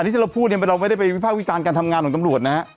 ที่เราพูดเนี่ยเราไม่ได้ไปวิภาควิจารณ์การทำงานของตำรวจนะฮะ